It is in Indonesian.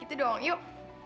gitu dong yuk